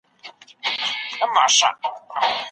پاک زړه تر پاکې جامه ډېر زیات ارزښت او مقام لري.